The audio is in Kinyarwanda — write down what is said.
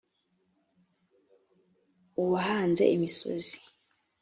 uwahanze imisozi